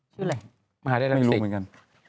ชื่ออะไรมหาได้แล้วไม่รู้เหมือนกัน